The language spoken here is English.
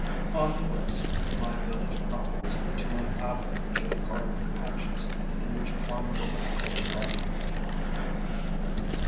On the west, my village crumbles into an avalanche of garden patches, in which plums and apples ripen.